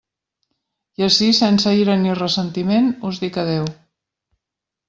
I ací, sense ira ni ressentiment, us dic adéu.